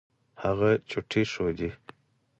هغې چوټې ښودې.